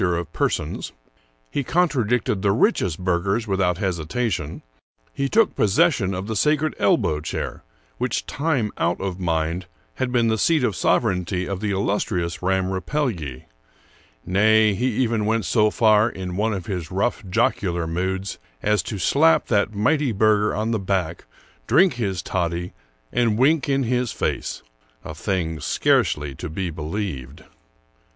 He was no respecter of per sons ; he contradicted the richest burghers without hesita tion ; he took possession of the sacred elbow chair, which time out of mind had been the seat of sovereignty of the illustrious Ramm Rapelye. Nay, he even went so far, in one of his rough, jocular moods, as to slap that mighty burgher on the back, drink his toddy, and wink in his face, — a thing scarcely to be believed.